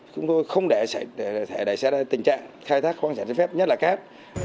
chúng tôi không để xảy ra tình trạng khai thác khoang sản trái phép nhất là cát